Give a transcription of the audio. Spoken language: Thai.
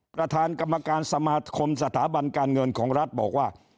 ประธานกรรมการสมาคมสถาบันการเงินของรัฐบอกว่า